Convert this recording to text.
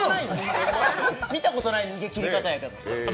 見たことない切り方やけど。